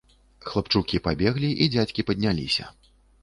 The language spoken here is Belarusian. Хлапчукі пабеглі, і дзядзькі падняліся.